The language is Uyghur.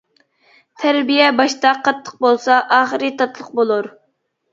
تەربىيە باشتا قاتتىق بولسا، ئاخىرى تاتلىق بولۇر.